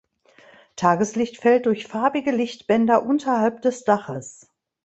Tageslicht fällt durch farbige Lichtbänder unterhalb des Daches.